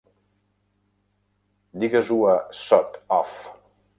Digues-ho a Sod Off!